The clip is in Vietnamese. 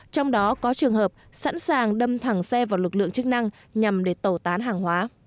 trong đó có trường hợp sẵn sàng đâm thẳng xe vào lực lượng chức năng nhằm để tẩu tán hàng hóa